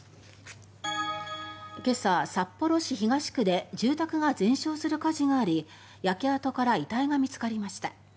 今朝、札幌市東区で住宅が全焼する火事があり焼け跡から遺体が見つかりました。